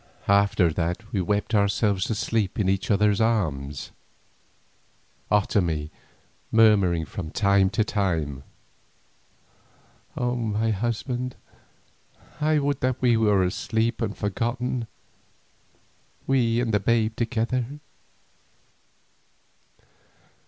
After that we wept ourselves to sleep in each other's arms, Otomie murmuring from time to time, "Oh! my husband, I would that we were asleep and forgotten, we and the babe together."